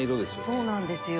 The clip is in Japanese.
そうなんですよ。